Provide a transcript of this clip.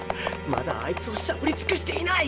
まだあいつをしゃぶりつくしていない！